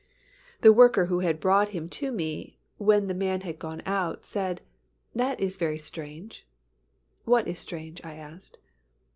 The worker who had brought him to me said when the man had gone out, "That is very strange." "What is strange?" I asked.